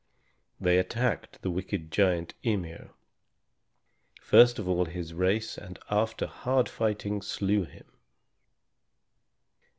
They attacked the wicked giant Ymir, first of all his race, and after hard fighting slew him.